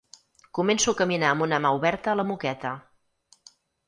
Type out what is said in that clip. Començo a caminar amb una mà oberta a la moqueta.